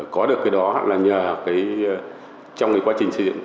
có được cái đó là nhờ trong quá trình sử dụng